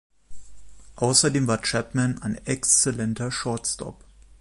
Außerdem war Chapman ein exzellenter Shortstop.